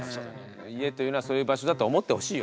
家というのはそういう場所だと思ってほしいよね